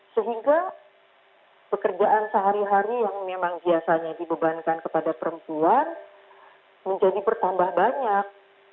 sehingga pekerjaan sehari hari yang memang biasanya dibebankan kepada perempuan menjadi bertambah banyak